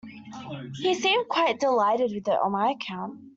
He seemed quite delighted with it on my account.